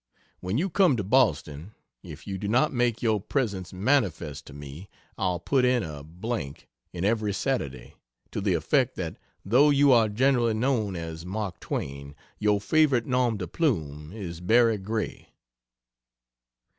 "When you come to Boston, if you do not make your presence manifest to me, I'll put in a!! in 'Every Saturday' to the effect that though you are generally known as Mark Twain your favorite nom de plume is 'Barry Gray.'"